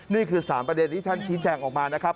นี่คือ๓ประเด็นที่ท่านชี้แจงออกมานะครับ